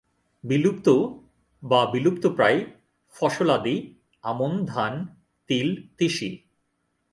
বিলুপ্ত বা বিলুপ্তপ্রায় ফসলাদি আমন ধান, তিল, তিসি।